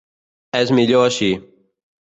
És millor així.